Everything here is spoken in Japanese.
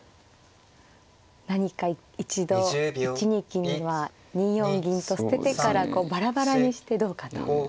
何か一度１二金には２四銀と捨ててからこうバラバラにしてどうかと。